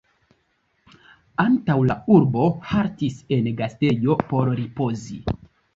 Antaŭ la urbo haltis en gastejo por ripozi.